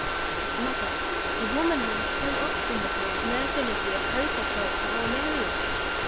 His mother! the woman who had so obstinately and mercilessly opposed herself to our marriage!